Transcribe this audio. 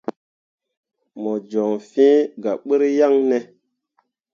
Mo joŋ fĩĩ gah ɓur yaŋne ?